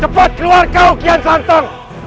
cepat keluar kau kian santong